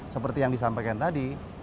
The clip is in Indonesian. seperti yang disampaikan tadi